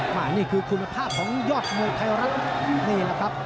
นี่คือคุณภาพของยอดมวยไทยรัฐนี่แหละครับ